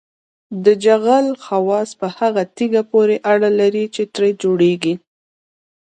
د جغل خواص په هغه تیږه پورې اړه لري چې ترې جوړیږي